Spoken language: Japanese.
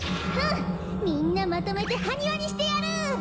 ふんみんなまとめてハニワにしてやる！